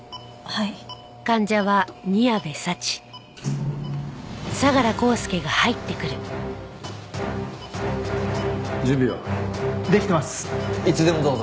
いつでもどうぞ。